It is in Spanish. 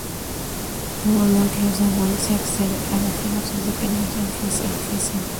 Por un amplio zaguán se accede a las diversas dependencias del edificio.